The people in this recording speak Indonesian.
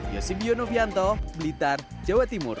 yosibio novianto blitar jawa timur